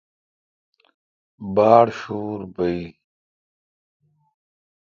باڑ شور بایل۔